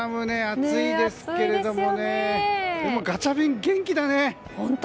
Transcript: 暑いですけれどもでもガチャピン元気だね。